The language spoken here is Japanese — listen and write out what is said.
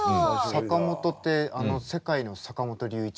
坂本ってあの世界の坂本龍一？